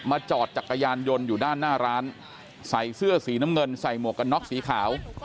จอดจักรยานยนต์อยู่ด้านหน้าร้านใส่เสื้อสีน้ำเงินใส่หมวกกันน็อกสีขาว